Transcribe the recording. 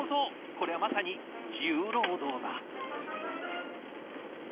こりゃまさに重労働だ。